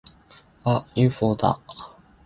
あっ！ユーフォーだ！